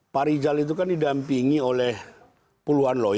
pak rizal itu kan didampingi oleh puluhan lelaki